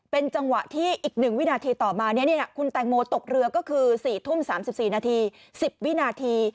เป็นจังหวะที่อีก๑วินาทีต่อมาคุณแตงโมตกเรือก็คือ๔ทุ่ม๓๔นาที๑๐วินาที